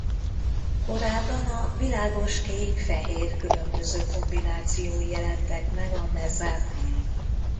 Korábban a világoskék-fehér különböző kombinációi jelentek meg a mezen.